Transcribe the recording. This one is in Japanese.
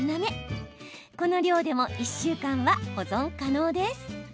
この量でも１週間は保存可能です。